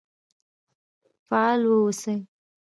فعال و اوسئ